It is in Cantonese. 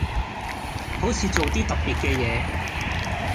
好似做啲特別嘅嘢